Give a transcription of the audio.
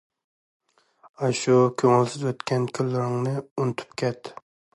ئاشۇ كۆڭۈلسىز ئۆتكەن كۈنلىرىڭنى ئۇنتۇپ كەت.